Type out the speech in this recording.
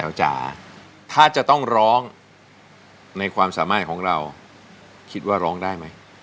จ๋าถ้าจะต้องร้องในความสามารถของเราคิดว่าร้องได้ไหม